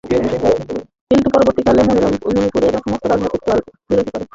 কিন্তু পরবর্তীকালে, মণিপুরের সমস্ত রাজনৈতিক দল এই প্রস্তাবের বিরোধিতা করে।